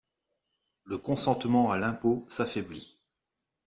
Le consentement à l’impôt s’affaiblit.